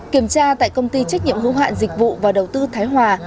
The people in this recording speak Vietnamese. kiểm tra tại công ty trách nhiệm hữu hạn dịch vụ và đầu tư thái hòa